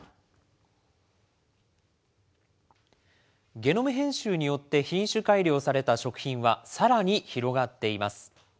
ゲノム編集によって品種改良された食品はさらに広がっています。